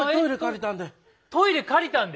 トイレ借りたんで。